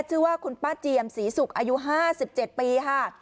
ชื่อว่าคุณป้าเจียมศรีศุกร์อายุ๕๗ปีค่ะ